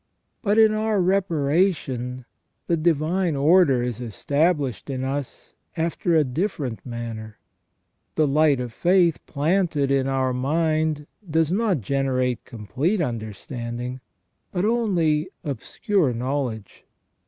But in our reparation the divine order is established in us after a different manner. The light of faith planted in our mind does not generate complete understanding, but only obscure knowledge.